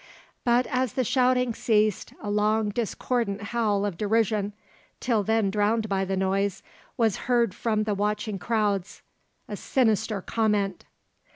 But as the shouting ceased, a long, discordant howl of derision, till then drowned by the noise, was heard from the watching crowds, a sinister comment!